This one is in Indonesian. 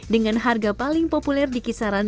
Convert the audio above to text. dengan harga paling populer dari tiga lima ton per bulan